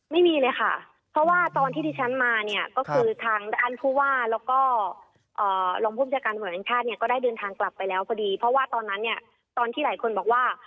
ไม่มีเลยค่ะเพราะว่าตอนที่ที่ฉันมาเนี่ยก็คือทางด้านผู้ว่าแล้วก็รองผู้บัญชาการตำรวจแห่งชาติเนี่ยก็ได้เดินทางกลับไปแล้วพอดีเพราะว่าตอนนั้นเนี่ยตอนที่หลายคนบอกว่า